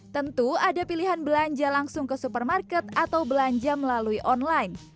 tentu ada pilihan belanja langsung ke supermarket atau belanja melalui online